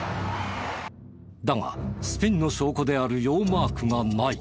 だがスピンの証拠であるヨーマークがない。